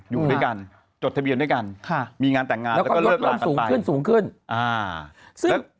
อยู่ด้วยกันจดทะเบียนด้วยกันมีงานแต่งงานแล้วก็เลิกร้านกันไป